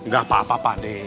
gak apa apa pakde